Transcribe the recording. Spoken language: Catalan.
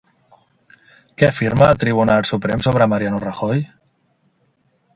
Què afirma el Tribunal Suprem sobre Mariano Rajoy?